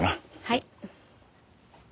はい。